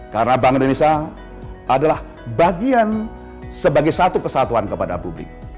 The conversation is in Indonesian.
karena bank indonesia adalah bagian sebagai satu kesatuan kepada publik